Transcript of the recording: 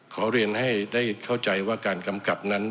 ขอเรียนให้ได้เข้าใจว่าการกำกับนั้น